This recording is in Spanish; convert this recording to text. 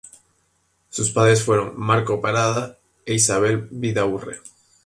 Sus padres fueron Marcos Parada e Isabel Vidaurre.